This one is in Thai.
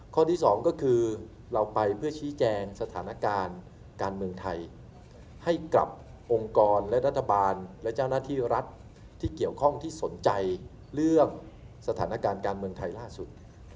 ข้อที่สองก็คือเราไปเพื่อชี้แจงสถานการณ์การเมืองไทยให้กับองค์กรและรัฐบาลและเจ้าหน้าที่รัฐที่เกี่ยวข้องที่สนใจเรื่องสถานการณ์การเมืองไทยล่าสุด